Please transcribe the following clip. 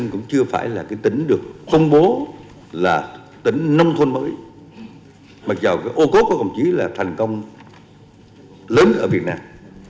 chưa phải là tỉnh được công bố là tỉnh nông thôn mới mặc dù ô cốt của cộng chí là thành công lớn ở việt nam